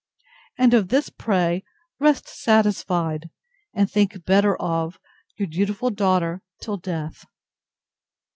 And of this pray rest satisfied, and think better of Your dutiful DAUGHTER till death.